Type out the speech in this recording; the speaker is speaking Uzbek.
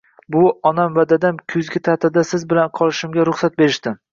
- Buvi, onam va dadam kuzgi ta'tilda siz bilan qolishimga ruxsat berishdi.